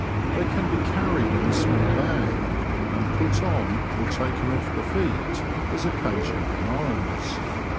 They can be carried in a small bag, and put on or taken off the feet as occasion demands.